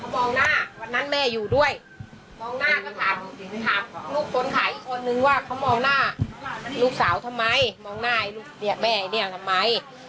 มองหน้าลูกสาวทำไมมองหน้าไอลูกเนี้ยแม่เนี้ยทำไม